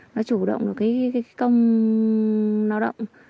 nó chủ động được cái công lao động